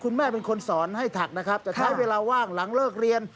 จะใช้เวลาว่างหลังเลิกเรียน